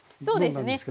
そうですね。